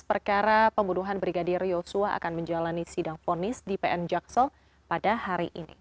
perkara pembunuhan brigadir yosua akan menjalani sidang ponis di pn jaksal pada hari ini